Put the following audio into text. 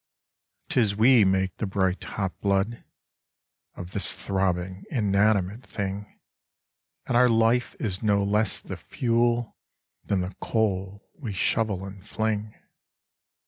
"'Tis we make the bright hot blood Of this throbbing inanimate thing; And our life is no less the fuel Than the coal we shovel and fling.